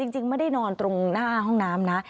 จริงไม่ได้นอนตรงหน้าห้องน้ำนะ